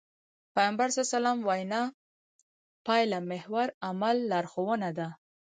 پيغمبر ص وينا پايلهمحور عمل لارښوونه ده.